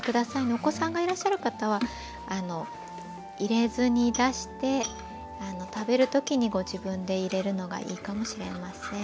お子さんがいらっしゃる方は入れずに出して食べる時にご自分で入れるのがいいかもしれません。